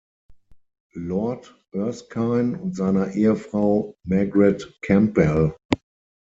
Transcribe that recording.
Lord Erskine und seiner Ehefrau Margaret Campbell.